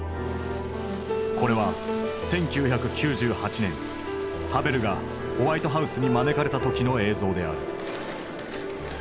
これは１９９８年ハヴェルがホワイトハウスに招かれた時の映像である。